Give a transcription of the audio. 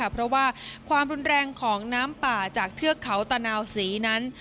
เพราะว่าความรุนแรงของน้ำป่าจากเทือกเขาตะนาวศรีนั้น